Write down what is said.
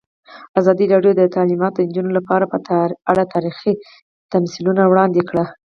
ازادي راډیو د تعلیمات د نجونو لپاره په اړه تاریخي تمثیلونه وړاندې کړي.